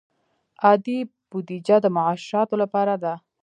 عادي بودجه د معاشاتو لپاره ده